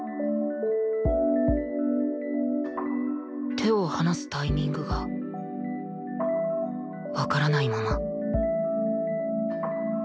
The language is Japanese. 手を離すタイミングがわからないまま